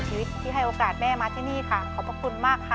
ชีวิตที่ให้โอกาสแม่มาที่นี่ค่ะขอบพระคุณมากค่ะ